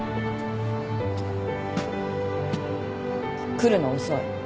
来るの遅い。